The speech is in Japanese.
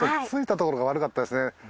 ついたところが悪かったですね。